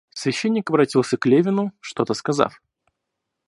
Священник обратился к Левину, что-то сказав.